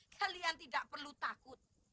kalian tidak perlu takut